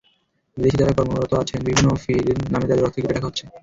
বিদেশি যাঁরা কর্মরত আছেন, বিভিন্ন ফির নামে তাঁদের অর্থ কেটে রাখা হচ্ছে।